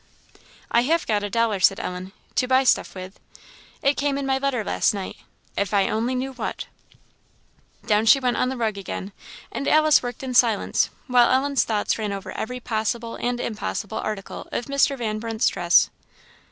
"I have got a dollar," said Ellen, "to buy stuff with; it came in my letter last night. If I only knew what!" Down she went on the rug again, and Alice worked in silence, while Ellen's thoughts ran over every possible and impossible article of Mr. Van Brunt's dress.